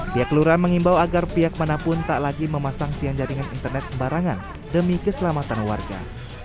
pihak lurah mengimbau agar pihak manapun tak lagi memasang tiang jaringan internet sembarangan demi keselamatan warga